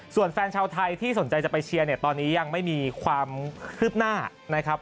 ส่วนแฟนชาวไทยที่สนใจจะไปเชียร์เนี่ยตอนนี้ยังไม่มีความคืบหน้านะครับ